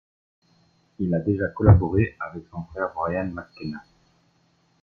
Il a déjà collaboré avec son frère, Brian McKenna.